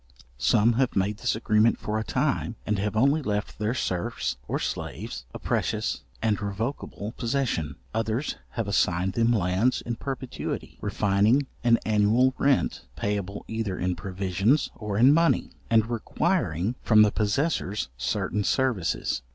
Some have made this agreement for a time, and have only left their serfs, or slaves, a precious and revocable possession. Others have assigned them lands in perpetuity, refining an annual rent payable either in provisions or in money, and requiring from the possessors certain services.